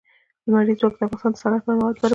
لمریز ځواک د افغانستان د صنعت لپاره مواد برابروي.